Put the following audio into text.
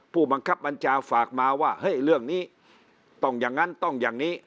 ผู้บังคับบัญชาฝากมาว่าเฮ้ยเรื่องนี้ต้องอย่างนั้นต้องอย่างนี้